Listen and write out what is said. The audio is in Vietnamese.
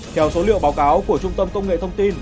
theo số liệu báo cáo của trung tâm công nghệ thông tin